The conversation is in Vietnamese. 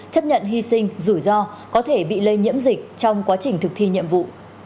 chấp nhận hy sinh rủi ro có thể bị lây nhiễm dịch trong quá trình thực thi nhiệm vụ